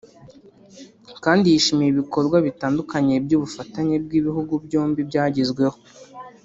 kandi yishimiye ibikorwa bitandukanye by’ubufatanye bw’ibihugu byombi byagezweho